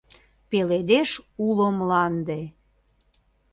Пеледеш уло мланде